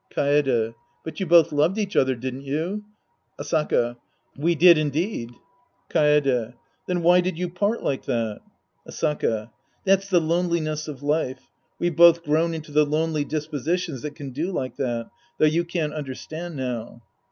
Kaede. But you both loved each other, didn't you? Asaka. We did, indeed. Kaede. Then why did you part like that ? Asaka. That's the loneliness of life. We've both grown into the lonely dispositions that can do like that. Though you can't understand now.